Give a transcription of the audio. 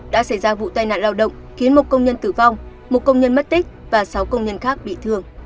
đã xảy ra vụ tai nạn lao động khiến một công nhân tử vong một công nhân mất tích và sáu công nhân khác bị thương